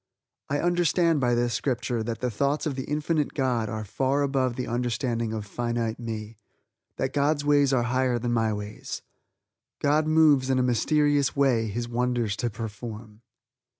I understand by this Scripture that the thoughts of the Infinite God are far above the understanding of finite me; that God's ways are higher than my ways. "God moves in a mysterious way His wonders to perform."